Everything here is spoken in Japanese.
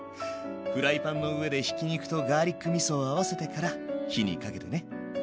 フライパンの上でひき肉とガーリックみそを合わせてから火にかけてね。